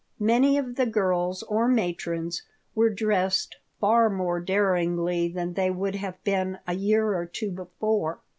Many of the girls or matrons were dressed far more daringly than they would have been a year or two before.